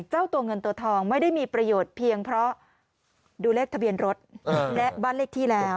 เจ้าตัวเงินตัวทองไม่ได้มีประโยชน์เพียงเพราะดูเลขทะเบียนรถและบ้านเลขที่แล้ว